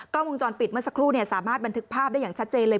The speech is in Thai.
กล้องวงจรปิดเมื่อสักครู่สามารถบันทึกภาพได้อย่างชัดเจนเลย